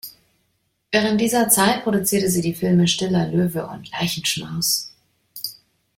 Während dieser Zeit produzierte sie die Filme "Stiller Löwe" und "Leichenschmaus".